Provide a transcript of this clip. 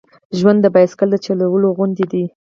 ژوند د بایسکل د چلولو غوندې دی.